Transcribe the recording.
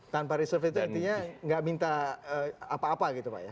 tanpa reserve itu artinya nggak minta apa apa gitu pak ya